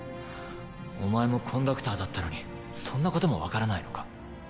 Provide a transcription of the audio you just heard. お前もコンダクターだったのにそんなこともわからないのか？